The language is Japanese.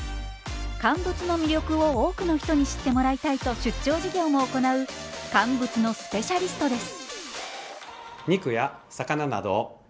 乾物の魅力を多くの人に知ってもらいたいと出張授業も行う乾物のスペシャリストです。